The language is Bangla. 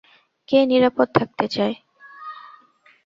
কে নিরাপদ থাকতে চায়?